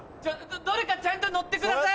どれかちゃんと乗ってください！